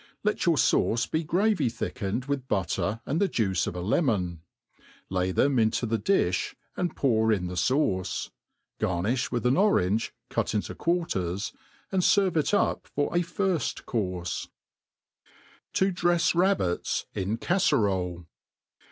Let your fauce be gravy thickened with butter and the juice of a lemon; lay them into the driby S^od pour in the fauce. Garnifli with orange, cut into quar \^s^ and ferve it up for a firft courfe. 0+ TtfE ART OF COOKERY To drefs Rabbits in Cajferole.